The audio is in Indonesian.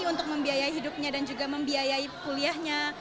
untuk membiayai hidupnya dan juga membiayai kuliahnya